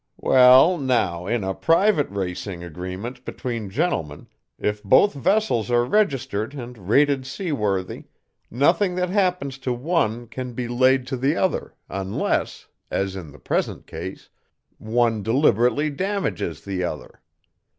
"Well, now, in a private racing agreement between gentlemen, if both vessels are registered and rated seaworthy, nothing that happens to one can be laid to the other unless, as in the present case, one deliberately damages the other.